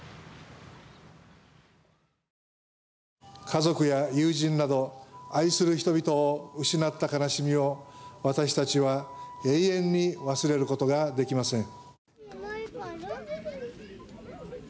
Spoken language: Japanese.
家族や友人など愛する人々を失った悲しみを私たちは永遠に忘れる事ができません。